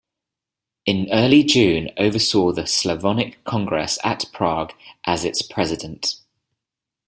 In early June oversaw the Slavonic Congress at Prague as its president.